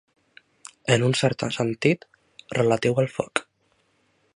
En un cert sentit, relatiu al foc.